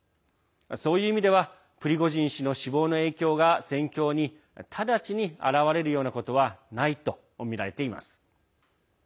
そういう意味ではプリゴジン氏の死亡の影響が戦況に直ちに現れるようなことはないとみられています。